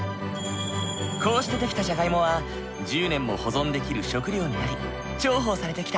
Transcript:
こうして出来たじゃがいもは１０年も保存できる食料になり重宝されてきた。